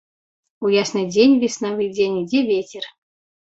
У ясны дзень, веснавы дзень, ідзе вецер.